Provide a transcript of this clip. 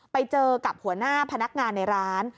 ไปเจอกับหัวหน้าพนักงานในร้าน